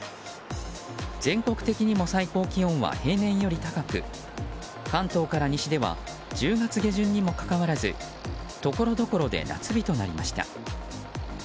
全国的にも最高気温は平年より高く関東から西では１０月下旬にもかかわらずところどころで夏日となりました。